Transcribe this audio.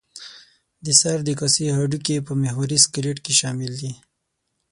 د سر د کاسې هډوکي په محوري سکلېټ کې شامل دي.